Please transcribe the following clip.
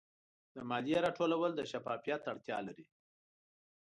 د مالیې راټولول د شفافیت اړتیا لري.